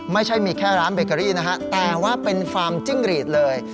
ไม่ใช่มีแค่ร้านเบเกอรี่นะฮะแต่ว่าเป็นฟาร์มจิ้งรีดเลย